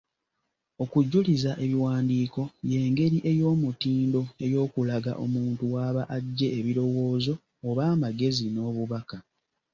Okujuliza ebiwandiiko, y’engeri eyoomutindo ey’okulaga omuntu w'aba aggye ebirowoozo oba amagezi n'obubaka.